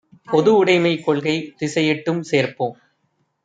பொதுஉடைமைக் கொள்கை திசையெட்டும் சேர்ப்போம்